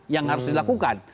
yang harus dilakukan